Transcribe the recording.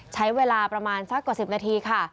ใช้เวลาประมาณสักกว่า๑๐นาทีค่ะ